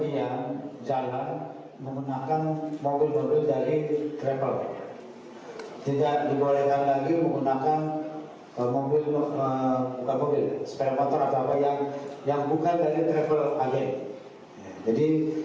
itu memang diterapkan mulai tahun dua ribu dua puluh tiga ini pasca pandemi covid sembilan belas